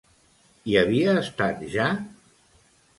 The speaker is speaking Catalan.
Hi havia estat ja?